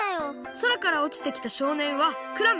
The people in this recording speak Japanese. そらからおちてきたしょうねんはクラム。